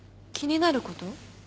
気になること？